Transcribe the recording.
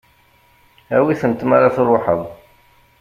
Awi-tent ma tṛuḥeḍ.